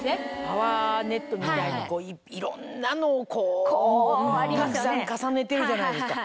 パワーネットみたいにいろんなのをこうたくさん重ねてるじゃないですか。